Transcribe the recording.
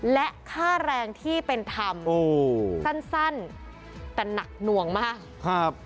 และค่าแรงที่เป็นธรรมโอ้สั้นแต่หนักหน่วงมากครับ